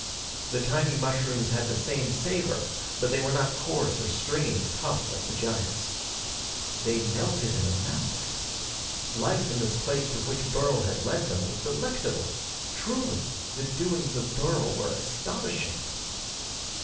The tiny mushrooms had the same savor, but they were not coarse or stringy or tough like the giants. They melted in the mouth! Life in this place to which Burl had led them was delectable! Truly the doings of Burl were astonishing!